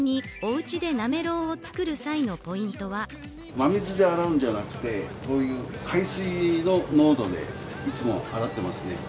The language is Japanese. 真水で洗うんじゃなくて、海水の濃度でいつも洗っていますね。